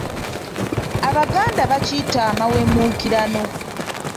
Abaganda bakiyita amawemuukirano.